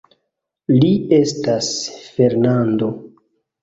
Li estas Fernando!